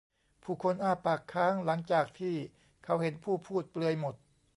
ผู้คนอ้าปากค้างหลังจากที่เขาเห็นผู้พูดเปลือยหมด